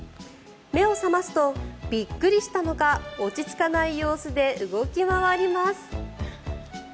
目を覚ますとびっくりしたのか落ち着かない様子で動き回ります。